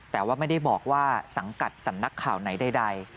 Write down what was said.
แต่ว่าไม่ได้บอกว่าสังกัดสำนักข่าวไหนใด